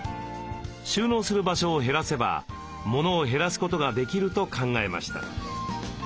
収納する場所を減らせばモノを減らすことができると考えました。